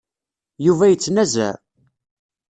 Yuba yettnazaɛ.